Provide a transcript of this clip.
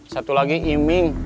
satu lagi iming